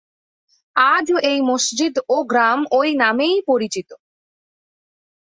আজও এই মসজিদ ও গ্রাম ওই নামেই পরিচিত।